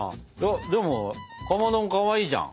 でもかまどもかわいいじゃん。